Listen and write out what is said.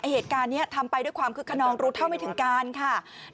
เหตุการณ์นี้ทำไปด้วยความคึกขนองรู้เท่าไม่ถึงการค่ะ